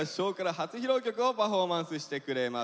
初披露曲をパフォーマンスしてくれます。